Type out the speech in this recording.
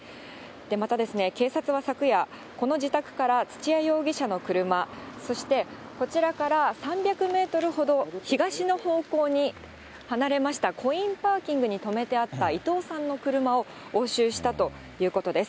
また、警察は昨夜、この自宅から土屋容疑者の車、そして、こちらから３００メートルほど東の方向に離れましたコインパーキングに止めてあった伊藤さんの車を押収したということです。